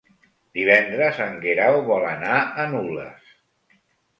Divendres en Guerau vol anar a Nulles.